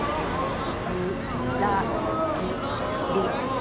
う・ら・ぎ・り